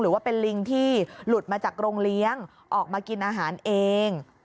หรือว่าเป็นลิงที่หลุดมาจากโรงเลี้ยงออกมากินอาหารเอง